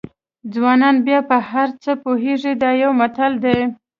ځوانان بیا په هر څه پوهېږي دا یو متل دی.